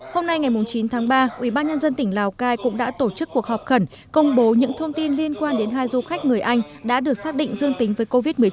hôm nay ngày chín tháng ba ubnd tỉnh lào cai cũng đã tổ chức cuộc họp khẩn công bố những thông tin liên quan đến hai du khách người anh đã được xác định dương tính với covid một mươi chín